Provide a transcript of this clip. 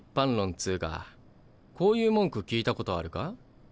っつうかこういう文句聞いたことあるか？